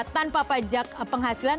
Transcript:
tanpa pajak penghasilan